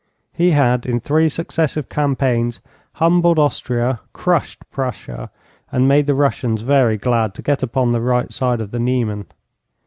He had in three successive campaigns humbled Austria, crushed Prussia, and made the Russians very glad to get upon the right side of the Niemen.